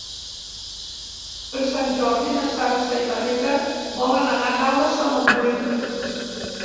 Per Sant Jordi na Sança i na Rita volen anar a Caldes de Montbui.